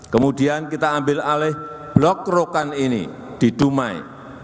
kemudian kita ambil alih blok rokan ini di dumai